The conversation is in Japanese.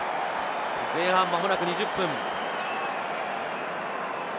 前半、間もなく２０分。